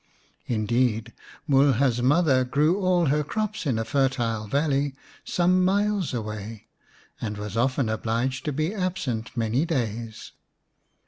Indeed Mulha's mother grew all her crops in a fertile valley some miles away, and was often obliged to be absent many days.